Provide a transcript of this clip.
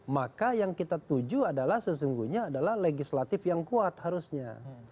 maka yang kita tuju adalah sesungguhnya adalah legislatif yang kuat harusnya